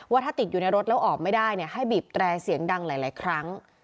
ว่าถ้าติดอยู่ในรถแล้วออกไม่ได้ให้บีบแตรเสียงดังหลายครั้ง